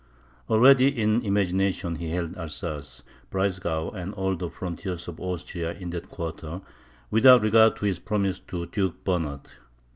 Already in imagination he held Alsace, Breisgau, and all the frontiers of Austria in that quarter, without regard to his promise to Duke Bernard.